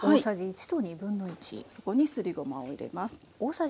そこにすりごまを入れます。